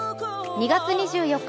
２月２４日